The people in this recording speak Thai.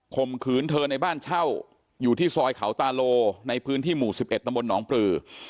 มขืนเธอในบ้านเช่าอยู่ที่ซอยเขาตาโลในพื้นที่หมู่๑๑ตำบลหนองปลือ